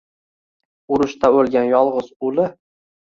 Urushda o‘lgan yolg‘iz uli.